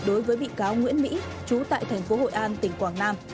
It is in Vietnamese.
đối với bị cáo nguyễn mỹ trú tại thành phố hội an tỉnh quảng nam